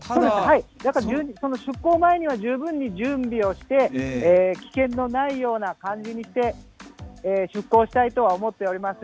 その出航前には、十分に準備をして、危険のないような感じにして、出航したいとは思っております。